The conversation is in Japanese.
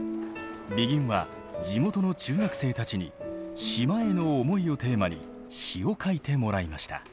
ＢＥＧＩＮは地元の中学生たちに「島への思い」をテーマに詩を書いてもらいました。